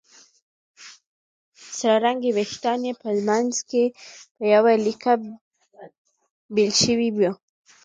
سره رنګي وېښتان یې په منځ کې په يوه ليکه بېل شوي وو